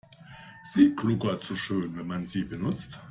Sie gluckert so schön, wenn man sie benutzt.